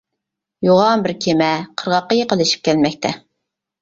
يوغان بىر كېمە قىرغاققا يېقىنلىشىپ كەلمەكتە.